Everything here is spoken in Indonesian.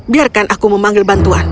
biarkan aku memanggil bantuan